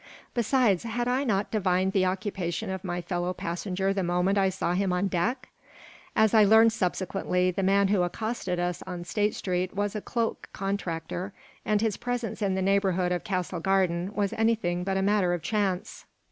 Besides, had I not divined the occupation of my fellow passenger the moment I saw him on deck? As I learned subsequently, the man who accosted us on State Street was a cloak contractor, and his presence in the neighborhood of Castle Garden was anything but a matter of chance.